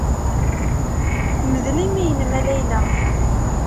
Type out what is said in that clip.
Mdel imi-nnem a Layla.